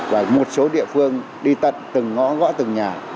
và một số địa phương đi tận từng ngõ gõ từng nhà